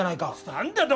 何だと？